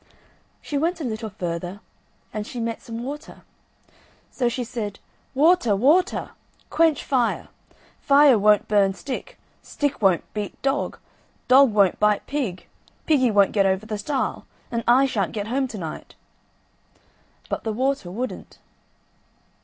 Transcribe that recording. She went a little further, and she met some water. So she said: "Water, water! quench fire; fire won't burn stick; stick won't beat dog; dog won't bite pig; piggy won't get over the stile; and I shan't get home to night." But the water wouldn't.